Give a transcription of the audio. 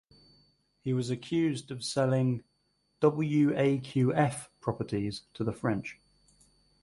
He was accused of selling "waqf" properties to the French.